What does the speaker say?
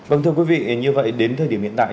vâng thưa quý vị như vậy đến thời điểm hiện tại